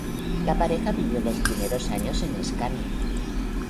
La pareja vivió los primeros años en Escania.